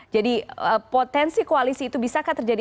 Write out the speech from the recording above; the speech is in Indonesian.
jadi potensi koalisi itu bisakah terjadi